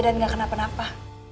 dan gak kenapa napa